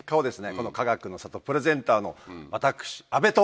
このかがくの里プレゼンターの私阿部と。